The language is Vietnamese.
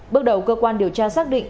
bước đầu cơ quan điều tra xác định